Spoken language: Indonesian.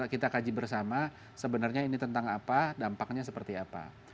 kita kaji bersama sebenarnya ini tentang apa dampaknya seperti apa